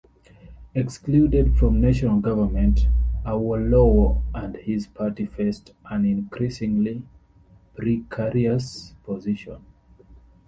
Excluded from national government, Awolowo and his party faced an increasingly precarious position.